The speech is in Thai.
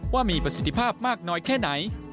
ว่ามีประสิทธิภาพมากน้อยแค่ไหน